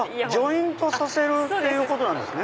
ジョイントさせるっていうことなんですね。